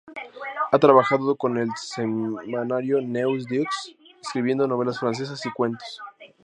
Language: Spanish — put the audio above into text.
Ha trabajado con el semanario "Neus Deux" escribiendo novelas francesas y cuentos.